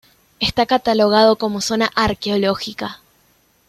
Está catalogado como zona arqueológica.